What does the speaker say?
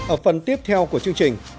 ở phần tiếp theo của chương trình